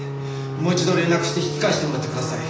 もう一度連絡して引き返してもらってください。